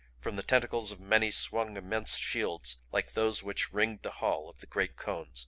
From the tentacles of many swung immense shields like those which ringed the hall of the great cones.